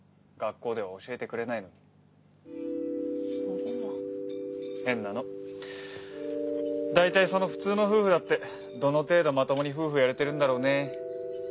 学校では教えてくれないのにそれは変なの大体その普通の夫婦だってどの程度まともに夫婦やれてるんだろうね